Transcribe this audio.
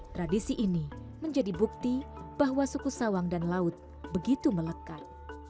tradisi ini menjadi bukti bahwa suku sawang dan laut begitu melekat